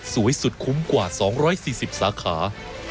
สุดคุ้มกว่า๒๔๐สาขา